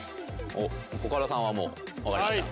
おコカドさんはもう分かりました？